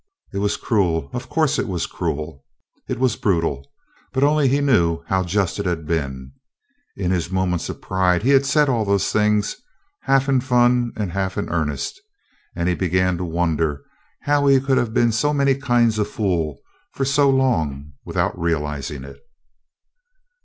It was cruel, of course it was cruel. It was brutal. But only he knew how just it had been. In his moments of pride he had said all those things, half in fun and half in earnest, and he began to wonder how he could have been so many kinds of a fool for so long without realising it.